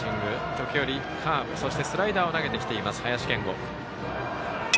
時折、カーブそしてスライダーを投げてきています林謙吾。